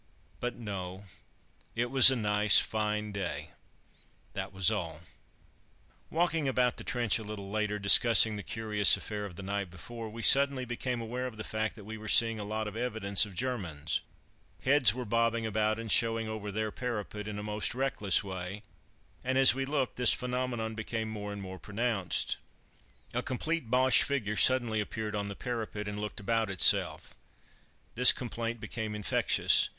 But no, it was a nice, fine day, that was all. Walking about the trench a little later, discussing the curious affair of the night before, we suddenly became aware of the fact that we were seeing a lot of evidences of Germans. Heads were bobbing about and showing over their parapet in a most reckless way, and, as we looked, this phenomenon became more and more pronounced. A complete Boche figure suddenly appeared on the parapet, and looked about itself. This complaint became infectious.